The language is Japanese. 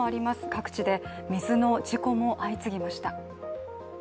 各地で水の事故も相次ぎました。